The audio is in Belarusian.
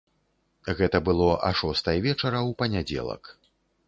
Гэта было а шостай вечара ў панядзелак.